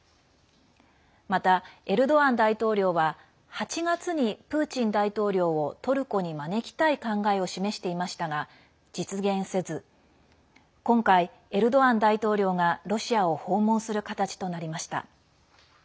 またエルドアン大統領は８月に、プーチン大統領をトルコに招きたい考えを示していましたが、実現せず今回、エルドアン大統領がロシアを訪問する形となりました。